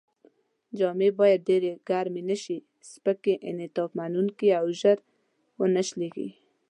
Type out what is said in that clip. جامې باید ډېرې ګرمې نه شي، سپکې، انعطاف منوونکې او ژر و نه شلېږي.